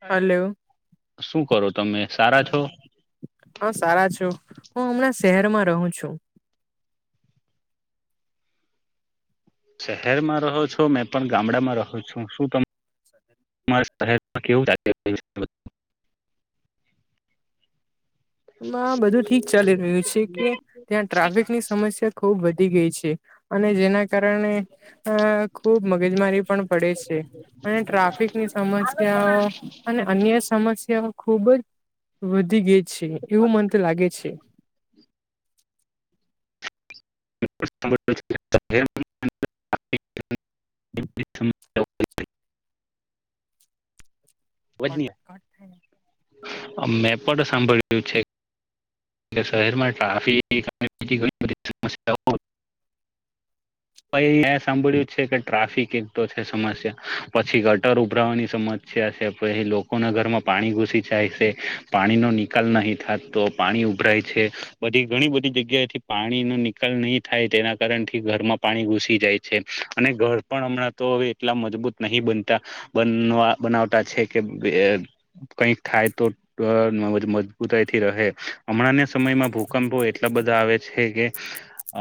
હાલો hello શું કરો તમે સારા છો હા સારા છો હું હમણાં શહેરમાં રહું છું. શહેરમાં રહો છો મેં પણ ગામડામાં રહુ છુ શું ત મારા શહેમાં કેવું [unintelligible] એમાં બધું ઠીક ચાલી રહ્યું છે, કે ત્યાં ટ્રાફિકની સમસ્યા ખુબ વધી ગઈ છે, અને જેના કારણે અ ખુબ મગજમારી પણ પડે છે. અને ટ્રાફિકની સમસ્યાઓ અને અન્ય સમસ્યાઓ ખુબ જ વધી ગઈ છે, એવું મન તો લાગે છે. [inaudible] [inaudible] અવાજ કત નહીં થાય ને મેં પણ સાંભળ્યું છે. કે શહેરમાં ટ્રાફિક [unintelligible] સમ્યા હો પણ મે સાંભળ્યું છે કે ટ્રાફિક એક તો છે, સમસ્યા પછી ગટર ઉભરાવાની સમ સ્યા છે, એ લોકોના ઘરમાં પાણી ઘૂસી જાય છે, પાણીનો નિકાલ નહીં થાય તો પાણી ઉભરાય છે, બધી ઘણી બધી જગ્યાથી પાણીનો નિકાલ નહીં થાય તેના કારણથી ઘરમાં પાણી ઘુસી જાય છે, અને ઘર પણ હમણાં તો હવે એટલા મજબૂત નહી બનતા બનવા બનાવટા છે, કે કઈક થાય તો મજબૂતાઈ થી રહે હમણાં ના સમયમાં ભૂકંપો એટલા બધા આવે છે, કે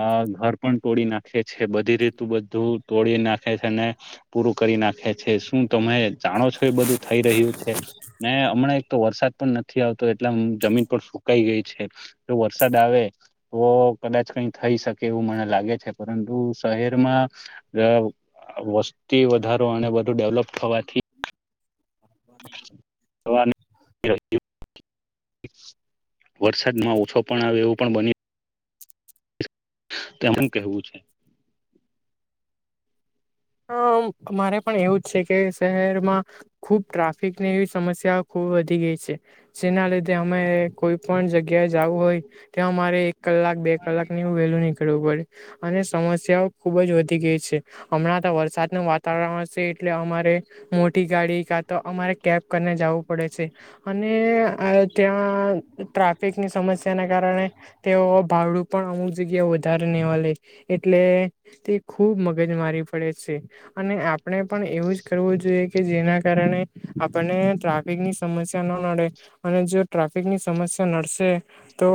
આ ઘર પણ તોડી નાખે છે, બધી રીતુ બધું તોડી નાખે છે, અને પૂરું કરી નાખે છે, શું તમે જાણો છો એ બધું થઈ રહ્યું છે. ને હમણાં એક તો વરસાદ પણ નથી આવતો એટલે એમ જમીન પર શું કાઈ ગઈ છે તો વરસાદ આવે તો કદાચ કંઈ થઈ શકે એવું મને લાગે છે, પરંતુ શહેરમાં અ વસ તે વધારો અને વધું ડેવલપ થવાથી [inaudible] [inaudible] વરસાદમાં ઓછો પણ આવે એવું પણ બની તેમન કહેવું છે. અ મારે પણ એવું જ છે, કે શહેરમાં ખૂબ ટ્રાફિકની એવી સમસ્યા ખૂ બહુ વધી ગઈ છે. જેના લીધે અમે કોઈ પણ જગ્યાએ જાવું હોય ત્યાં અમારે એક કલાક બે કલાકની વેલું નીકળું પડે. અને સમસ્યાઓ ખૂબ જ વધી ગઈ છે હમણાં તો વરસાદનું વાતાવરણ હશે એટલે અમારે મોટી ગાડી કા તો અમારે કેબ કરીને જાવું પડે છે. અને અ ત્યાં ટ્રાફિકની સમસ્યાના કારણે તેઓ તો ભાડું પણ અમુક જગ્યા વધારેને એવા લે એટલે તે ખૂબ મગજમારી પડે છે. અને આપણે પણ એવું જ કરવું જોઈએ કે જેના કારણે આપણને ટ્રાફિક ફિકની સમસ્યા ન નડે અને જો ટ્રાફિકની સમસ્યા નડશે તો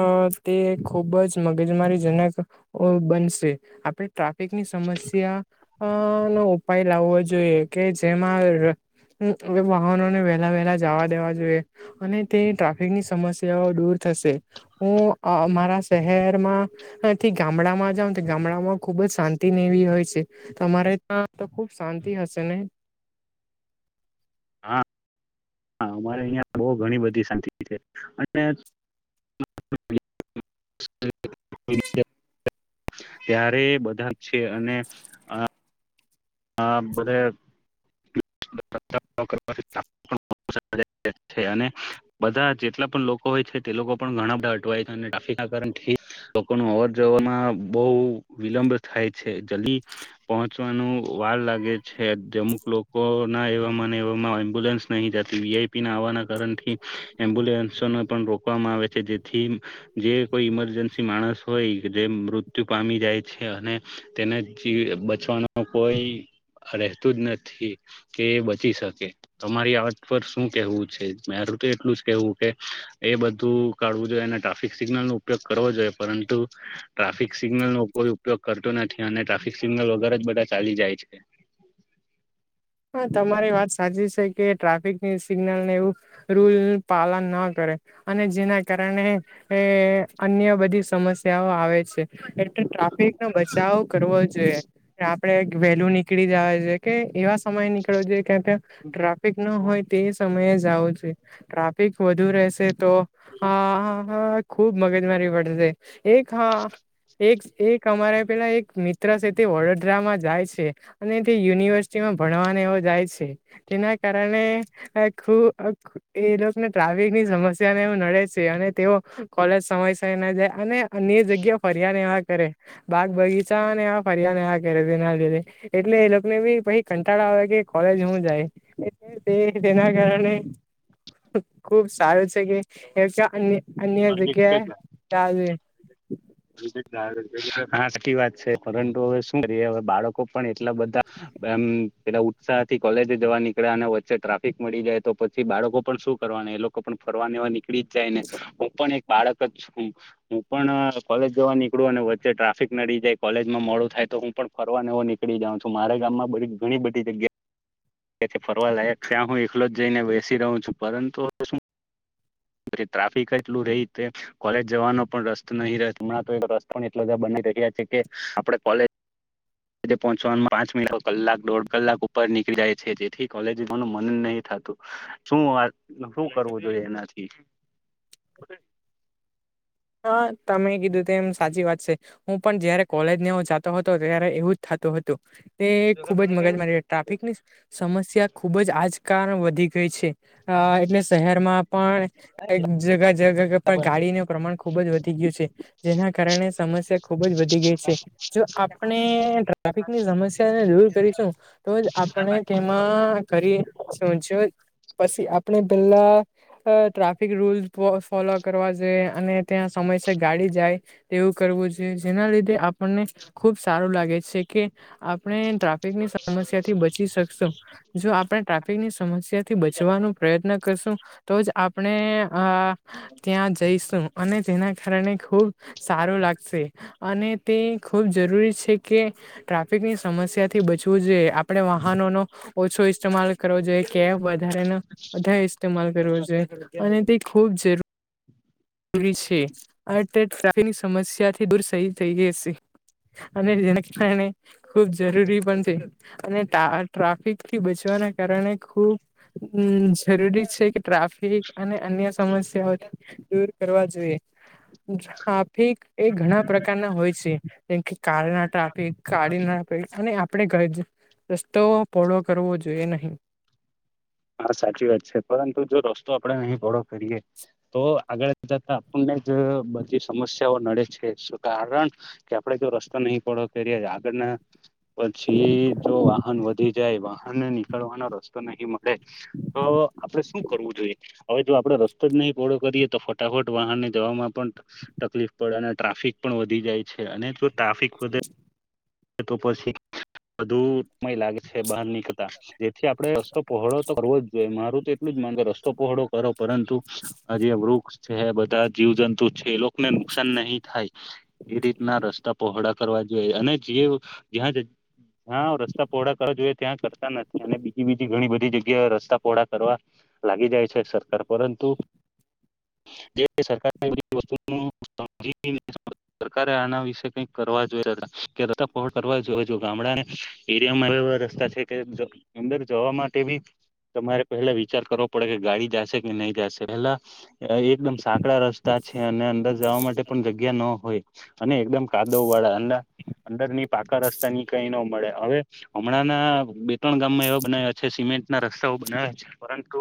અ તે ખૂબ જ મગજમારી જનક બનશે. આપણે ટ્રાફિકની સમસ્ અ નો ઉપાય લાવો જોઈએ. કે જેમાં વાહનોને વે વેલા વેલા જાવા દેવા જોઈએ. અને તે ટ્રાફિકની સમસ્યાઓ દૂર થશે. હું અ અમારા શહેરમાંથી ગામડામાં જાવનું તે ગામડામાં ખૂબ જ શાંતિને એવી હોય છે. તમારે ત્યાં તો ખુબ શાંતિ હશે ને? હા હા અમારે અહીંયા બહુ ઘણી બધી શાંતિ છે. અને [inaudible] ત્યારે બધા છે અને આ આ બધાં [inaudible] અને બધા જેટલા પણ લોકો હોય છે છે. તે લોકો પણ ઘણા બધા અટવાય છે અને ટ્રાફિકના કારણથી લોકોનું અવર જવરમાં બહુ વી વિલંબ થાય છે. જલ્દી પહોંચવાનું વાળ લાગે છે. જે અમુક લોકોના એવા માં ને એવામાં એમ્બ્યુલન્સ નહીં જતી વીઆઈપીના આવાના કારણથી એમ્બ્યુલન્સોને પણ રોકવામાં આવે છે. જેથી જે કોઈ ઈમરજન્સી માણસ હોય જે મૃત્યુ પામી જાય છે અને તેને જીવ બચવાનો કોઈ રેહતું જ નથી કે એ બચી શકે. તમારી આ વાત પર શું કેહવું છે? [inaudible] મારું તો એટલું જ કેવું કે એ બધું કાઢવું જોઈએ. અને ટ્રાફિક સિગ્નલનો ઉપયોગ કરવો જોઈએ. પરંતુ ટ્રાફિક સિગ્નલનો કોઈ ઉપયોગ કરતું નથી. અને ટ્રાફિક સિગ્નલ વગર જ બધા ચાલી જાય છે. હા તમારી વાત સાચી છે. કે ટ્રાફિકની સિગ્નલને એવું રૂલ પાલન ના કરે રે અને જેના કારણે એ અન્ય બધી સમસ્યાઓ આવે છે. એટલે ટ્રા ફિકનો બચાવ કરવો જોઈએ. આપણેે વહેલું નીકળી જાવા જોએ કે એવા સમય નિકળવું જોએ. કા તો ટ્રાફિક ન હોય તે સમયે જ જાવું જોઈએ. ટ્રાફિક વધુ રહેશે તો આ હા હા ખૂબ મગજમારી પડશે. એક હા એક એક અમારા પેલા એક મિત્ર સે તે વડોદરામાં જાય છે. અને તે યુનિવર્સિટીમાં ભણવાને એવો જાય છે. તેના કારણે ખૂ એ લોકને ટ્રાફિકની સમસ્યાને એવુ નડે છે. અને તેઓ કોલેજ સમયસર ન જાય અને અન્ય જગ્યા ફર્યા ને એવા કરે. બાગ બગીચાને એવા ફરિયાને એવા કરે જેના લીધે એટલે એ લોકને બી પહિ કંટાળો આવે કે કોલેજ હું જાય એટલે તે જેના કારણે ખુબ સારું છે કે [inaudible] અન્ય અન્ય જગ્યાએ છે ચાલે. [inaudible] હા સાચી વાત છે પરંતુ હવે શું કરીએ હવે બાળકો પણ એટલા બધા એમ પેલા ઉત્સાહથી કોલેજે જવા નીકળ્યા અને વચ્ચે ટ્રાફિક મળી જાય તો પછી બાળકો પણ શું કર ફ એ લોકો પણ ફરવાને એવા નીકળી જ જાય ને હું પણ એક બાળક જ છું હું પણ કોલેજ જવા નીકળું અને વચ્ચે ટ્રાફિક નડી જાય કોલેજમાં મોડું થાય તો હું પણ ફરવાનેવું નીકળી જાઉં છું મારે ગામમાં ઘણી બધી જગ્યા ફરવા લાયક છે હું એકલો જ જઈને બેસી રહું છું પરંતુ હવે શું પી ટ્રાફિક એટલું રહી તે કોલેજ જવાનો પણ રસ્તો નહી રહે હમણાં તો રસ્તો પણ એટલો બધા બ રહ્યા છે કે આપણે કોલેજ જે પહોંચવા પાંચ મિનટ કલાક દોઢ કલાક ઉપર નીકળ જાય છે જેથી કોલેજનું મન નહીં થાય શું હું કરવું જોઈએ એનાથી [inaudible] હ તમે કીધું તેમ એમ સાચી વાત છે હું પણ જયારે કોલેજ ને જાતો હતો ત્યારે એવું જ થતું હતું તે ખુબ જ મગજ મારી ટ્રાફિકની સમસ્યા ખુબ જ આજકાલ વધી ગઈ છે અ એટલે શહેરમાં પણ એક જગા જગા જ પર ગાડીનું પ્રમાણ ખ વધી ગયું છે જેના કારણે સમસ્યા ખૂબ જ વધ જો આપણે ટ્રાફિકની સમસ્યાને દૂર કરીશું તો જ આપણે એમાં ઘરી શજય પછી આપણે પેલા તો ટ્રાફિક રૂલ્સ ફોલો કરવા જોઈએ અને ત્યાં સમયસર ગાડી જાય એવું કરવું જોઈએ જેના લીધે આપને ખુબ સારું લાગે છે કે આપણે ટ્રાફિકની સમસ્યાથી બચી શકશું જો આપણે ટ્રાફિકની સમસ્યાથી બચવાનો પ્રયત્ન કરશું તો જ આપણે ત્યાં જઈશું અને તેના કારણે ખૂબ સારો લાગશે અને તે ખૂબ જરૂરી છે કે ટ્રાફિકની સમસ્યા થી બચવું જોઈએ આપડે વાહનો નો ઓછો ઇસ્માલ કરવો જોઈએ કે વધ બધા ઇસ્તેમાલ કરવો જોઈએ અને તે ખૂબ જરૂર રી છે આફની સમસ્યાથી દૂર થઈ જઈ જશે અને જેના કારણે ખુબ જરૂરી પણ છે અને ટા ટ્રાફિક થી બચવાના કારણે ખૂબ જરૂરી છે કે ટ્રાફિક અને અન્ય સમસ્યાઓને દૂર કરવા જોઈએ ટાફી એ ઘણા પ્રકારના હોય છે જેમ કે કાળીના ટ્રાફિક કાળીના અને આપણે રસ્તો પહોળો કરવો જોઈએ નહી [inaudible] હા સાચી વાત છે પરંતુ જો રસ્તો આપડણે નહીં પહોળો કરીએ તો આગળ જતા આપણે જ બધી સમસ્યાઓ નડે છે છતાં કારણ કે આપડણે જો રસ્તો નહીં પહોળો કરીએ આગળ પછી જો વાહન વધી જાય વાહન નીકળવાનો રસ્તો નહી મળે [unintelligible] આપડે શું કરવું જોઈએ હવે જો આપડે રસ્તો જ નહી પહળો કરીએ તો ફટાફટ વાહનને જવામાં પણ તકલીફ પડે અને ટ્રાફિક પણ વધી જાય છે અને જો ટ્રાફિક વધે તો પછી બધુ મય લાગે છે બહાર નીકળતા જેથી આપડે રસ્તો પહોળો તો કરવો જ જોઈએ મારું તો એટલું જ ગો રસ્તો પહોળો કરો પરંતુ આ જે વૃક્ષ છે બધા જીવ જંતુ છે એ લોકોને નુકસાન નહીં થાય એ રીતના રસ્તા પહોળા કરવા જોઈએ અને [unintelligible] હા રસ્તા પહોળા કરવા જોઈએ ત્યાં કરતા નથી અને બીજી બીજી ઘણી બધી જગ્યાએ રસ્તા પહોળા કરવા લાગી જાય છે સરકાર પરંતુ જે સરકાર એ વસ્તુ સમ સરકારે આના વિશે કઈક કરવા જોયા હતા રસ્તા પહોળા કરવા જો જો ગામડાને એરિયામાં એ રસ્તા છે કે અંદર જવા માટે બી તમારે પહેલા વિચાર કરવો પડે કે ગાડી જશે કે નહી જશે પેલા એકદમ સા રસ્તા છે અને અંદર જવા માટે પણ જગ્યા ન હોય અને એકદમ કાદવ વાળા એ અંદરની પાકા રસ્તા ની કઈ ન મળે હવે હમણાંના બે ત્રણ ગામમાં એવા બનાયા છે સિમેન્ટ ના રસ્તાઓ બનાવે છે પરંતુ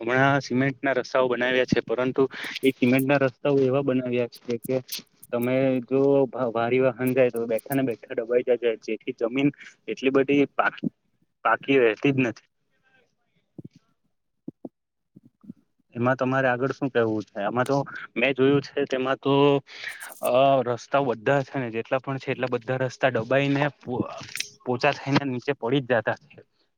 હમણાં સિમેન્ટના રસ્તાઓ બનાવ્યા છે પરંતુ એ સિમેન્ટના રસ્તાઓ એવા બનાવ્યા છે કે તમે જો ભારી વાહન જાય તો બેઠા ને બેઠા ડબાઈ જાય જ જેથી જમીન એટલી બધી પા પાકી રહેતી જ નથી. એમાં તમારે આગળ શું કેવું છે આમાં તો મેં જોયું છે તેમાં તો અ રસ્તાઓ બધા છે ને જેટલા પણ છે એટલા બધા રસ્તા ડબાઈ ને પોચા થઈને નીચે પડી જ જતા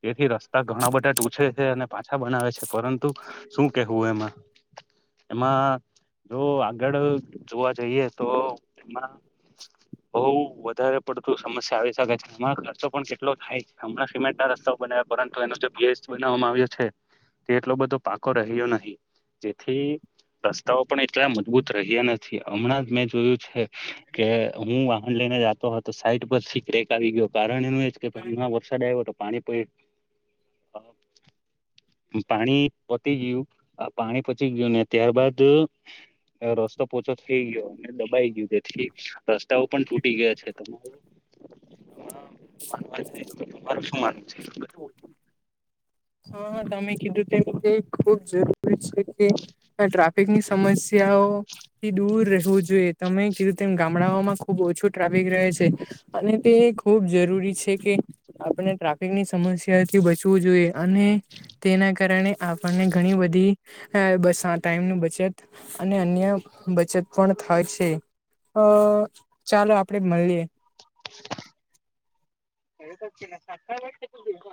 તેથી રસ્તા ઘણા બધા ટૂછે છે અને પાછા બનાવે છે પરંતુ શું કેવું એમાં, એમાં જો આગળ જોવા જઈએ તો એમાં બઉ વધારે પડતું સમસ્યા આવી શકે છે. આ ખર્ચો પણ કેટલો થાય છે હમણાં સિમેન્ટના રસ્તા બને નાવ્યા પરંતુ એનો જે બેઝ બનાવામાં આવ્યો છે તે એટલો બધો પાકો રહ્યો નહી. જેથી રસ્તાઓ પણ એટલા મજબૂત રહ્યા નથી હમણાં જ મેં જોયું છે કે હું વાહન લઈ ને જાતો હતો સાઈટ પરથી ક્રેક આવી ગયો કારણ એનું એ જ કે પાણીમાં વરસાદ આવ્યો તો પાણી [inaudible] પાણી પતી ગયું પાણી પચી ગયું ને ત્યારબાદ રસ્તો પોચો થઈ ગયો અને દબાઈ ગયું જેથી રસ્તાઓ પણ તૂટી ગયા છે. [inaudible] તમારું શું માનવું? [inaudible] હા હા તમે કીધું તેમ તે ખૂબ જરૂરી છે કે ટ્રાફિકની સમસ્યાઓથી દૂર રહે વું જોઈએ. તમે કીધું તેમ ગામડાઓમાં ખુબ ઓછું ટ્રાફિક રહે છે અને તે ખૂબ જરૂરી છે કે આપણે ટ્રાફિકની સમસ્યાથી બચવું જોઈએ અને તેના કારણે આપણને ઘણી બધી બ ટાઈમની બચત અને અન્ય બચત પણ થાય છે. અ ચાલો આપડે મળીએ. [inaudible]